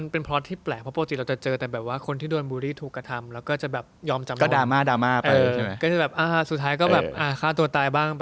ไปจนถึงแบบรักไม่ได้อยู่ไม่ได้บ้าง